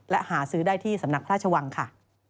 และหาซื้อได้ที่สำนักพระราชวังค่ะ